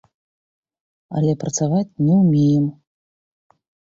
Але прадаваць не ўмеем.